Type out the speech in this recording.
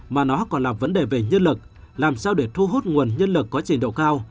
mà nó còn là vấn đề về nhân lực làm sao để thu hút nguồn nhân lực có trình độ cao